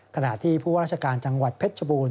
ขณะที่ผู้ว่าราชการจังหวัดเพชรชบูรณ